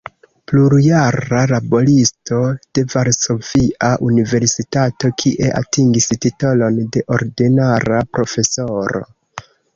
Plurjara laboristo de Varsovia Universitato, kie atingis titolon de ordinara profesoro.